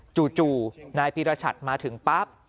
จู่นายปีรชัดมาถึงปั๊บ